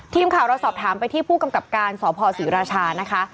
ทีมข่าวเราสอบถามไปที่ผู้กำกับการสพศรีราชานะคะ